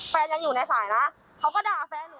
แฟนยังอยู่ในสายนะเขาก็ด่าแฟนหนู